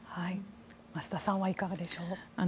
増田さんはいかがでしょう？